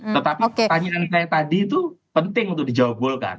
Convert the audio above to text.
tetapi pertanyaan saya tadi itu penting untuk dijawab golkar